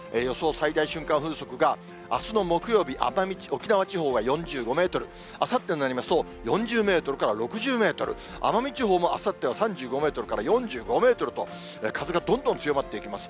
最大瞬間風速が、あすの木曜日、沖縄地方は４５メートル、あさってになりますと４０メートルから６０メートル、奄美地方もあさっては３５メートルから４５メートルと、風がどんどん強まっていきます。